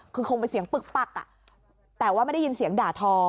คือคงเป็นเสียงปึกปักแต่ว่าไม่ได้ยินเสียงด่าทอ